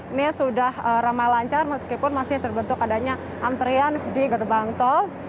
ini sudah ramai lancar meskipun masih terbentuk adanya antrian di gerbang tol